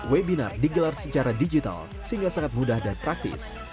webinar digelar secara digital sehingga sangat mudah dan praktis